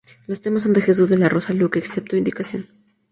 Los temas son de Jesús de la Rosa Luque, excepto indicación.